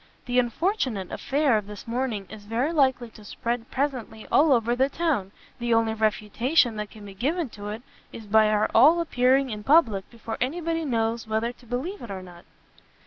The unfortunate affair of this morning is very likely to spread presently all over the town; the only refutation that can be given to it, is by our all appearing in public before any body knows whether to believe it or not."